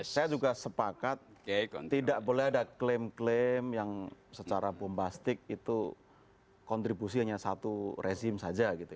saya juga sepakat tidak boleh ada klaim klaim yang secara bombastik itu kontribusi hanya satu rezim saja gitu